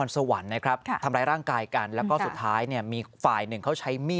สะท้ายกันที่ข้อพิพ